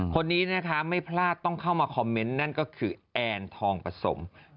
คนนี้นะคะไม่พลาดต้องเข้ามาคอมเมนต์นั่นก็คือแอนทองผสม